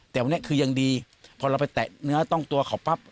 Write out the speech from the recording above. แต่วันนี้คือยังดีพอเราไปแตะเนื้อต้องตัวเขาปั๊บ